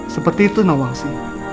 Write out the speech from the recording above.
seperti itu lawangsi